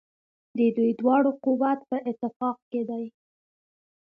د دوی دواړو قوت په اتفاق کې دی.